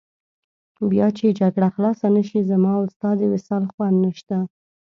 بیا چې جګړه خلاصه نه شي، زما او ستا د وصال خوند نشته.